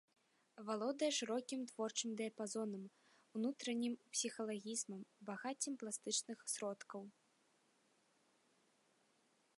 Валодае шырокім творчым дыяпазонам, унутраннім псіхалагізмам, багаццём пластычных сродкаў.